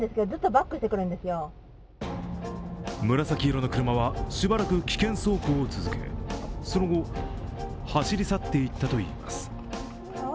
紫色の車はしばらく危険走行を続け、その後、走り去っていったといいます。